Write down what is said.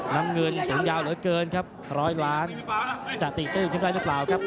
น้ำเงินสูงยาวเหลือเกินครับร้อยล้านจะตีตื้นขึ้นได้หรือเปล่าครับ